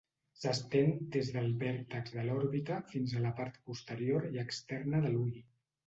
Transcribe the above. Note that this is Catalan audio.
S'estén des del vèrtex de l'òrbita fins a la part posterior i externa de l'ull.